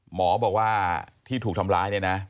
หมอบอกว่าที่ถูกทำร้ายเนี่ยนะ